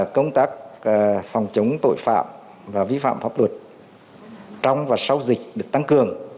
công tác phòng chống tội phạm và vi phạm pháp luật trong và sau dịch được tăng cường